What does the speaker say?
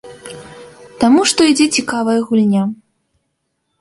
Таму што ідзе цікавая гульня.